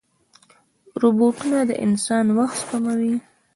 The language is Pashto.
روبوټونه د انسان وخت سپموي.